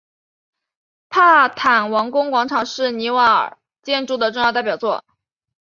帕坦王宫广场是尼瓦尔建筑的重要代表作。